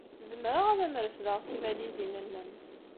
Zemreɣ ad am-refdeɣ tibalizin-nnem.